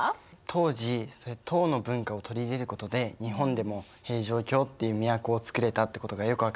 当時唐の文化を取り入れることで日本でも平城京っていう都をつくれたってことがよく分かりました。